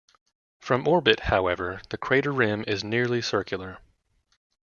From orbit, however, the crater rim is nearly circular.